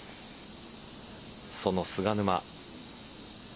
その菅沼。